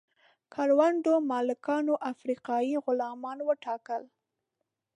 کروندو مالکانو افریقایي غلامان وټاکل.